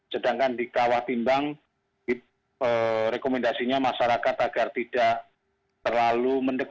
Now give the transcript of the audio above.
sedangkan di kawah timbang rekomendasinya masyarakat agar tidak terlalu mendekat